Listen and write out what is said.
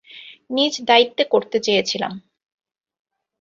নিজ দায়িত্বে করতে চেয়েছিলাম।